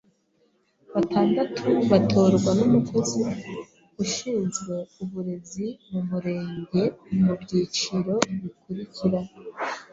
batandatu batorwa n’umukozi ushinzwe uburezi mumumurengemu byiciro bikurikira: